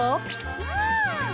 うん！